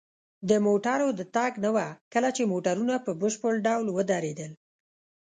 د موټرو د تګ نه وه، کله چې موټرونه په بشپړ ډول ودرېدل.